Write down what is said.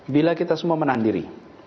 bila kita semua menahan diri